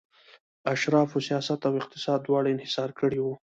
اشرافو سیاست او اقتصاد دواړه انحصار کړي وو